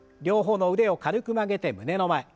両方の腕を軽く曲げて胸の前。